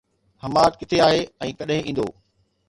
حماد، ڪٿي آهي ۽ ڪڏهن ايندو؟